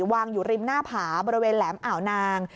วางอยู่ริมหน้าผาบริเวณแหลมอ่าวนาง